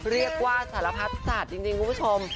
เรียกว่าสารพัดสัตว์จริงคุณผู้ชม